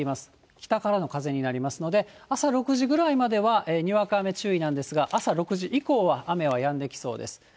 北からの風になりますので、朝６時くらいまではにわか雨注意なんですが、朝６時以降は雨はやんできそうです。